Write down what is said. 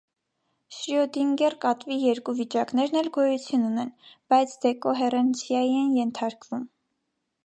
Շրյոդինգեր կատվի երկու վիճակներն էլ գոյություն ունեն, բայց դեկոհերենցիայի են ենթարկվում։